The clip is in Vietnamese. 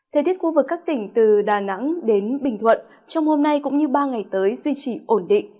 thời tiết khu vực các tỉnh từ đà nẵng đến bình thuận trong hôm nay cũng như ba ngày tới duy trì ổn định